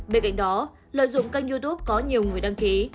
bên cạnh đó lợi dụng kênh youtube có nhiều người đăng ký